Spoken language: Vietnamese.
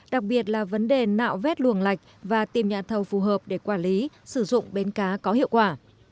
đặc biệt là vấn đề nạo vét luồng lạch và tìm nhà thầu phù hợp để quản lý sử dụng bến cá có hiệu quả